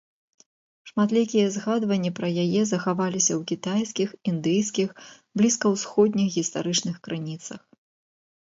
Шматлікія згадванні пра яе захаваліся ў кітайскіх, індыйскіх, блізкаўсходніх гістарычных крыніцах.